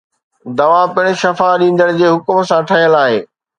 دوا پڻ شفا ڏيندڙ جي حڪم سان ٺهيل آهي